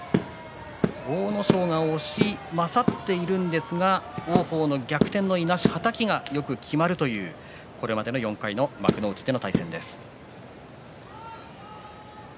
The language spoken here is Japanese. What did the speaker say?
阿武咲が押し勝っているんですが王鵬の逆転のいなし、はたきがよくきまるという、これまでの４回の幕内での対戦です。